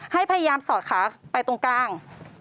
ให้พยายามสอดขาไปตรงกลาง